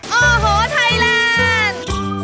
โอ้โหไทยแลนด์